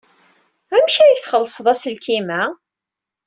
Amek ay txellṣed aselkim-a?